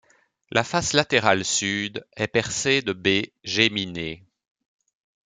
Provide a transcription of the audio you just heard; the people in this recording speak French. La face latérale sud est percée de baies géminées.